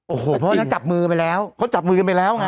โอ้โหเพราะฉะนั้นจับมือไปแล้วเขาจับมือกันไปแล้วไง